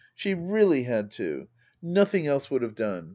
She really had to. Nothing else would have done.